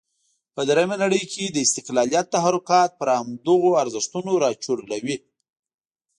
په درېمه نړۍ کې د استقلالیت تحرکات پر همدغو ارزښتونو راچورلوي.